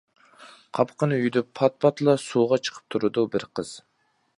قاپىقىنى يۈدۈپ پات-پاتلا، سۇغا چىقىپ تۇرىدۇ بىر قىز.